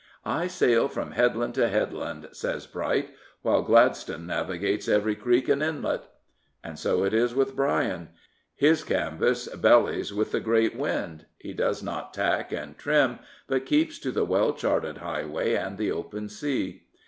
" I sail from headland to headland," said Bright, " while Gladstone navigates every creek and inlet." And so it is with Bryan. His canvas 303 Prophets, Priests, and Kings bellies with the great wind. He does not tack and trim, but keeps to the well charted highway and the open sea.